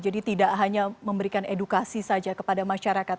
jadi tidak hanya memberikan edukasi saja kepada pemerintah